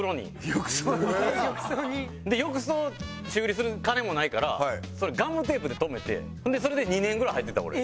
浴槽に？で浴槽修理する金もないからそれガムテープでとめてほんでそれで２年ぐらい入ってた俺。